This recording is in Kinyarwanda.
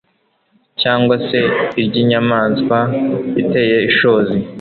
cyangwa se iry'inyamaswa iteye ishozi